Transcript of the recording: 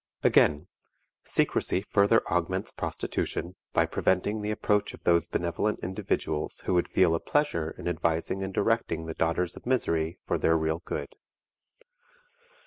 Again: Secrecy further augments prostitution by preventing the approach of those benevolent individuals who would feel a pleasure in advising and directing the daughters of misery for their real good.